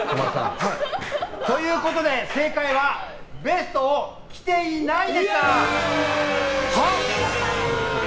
ということで、正解はベストを着ていないでした！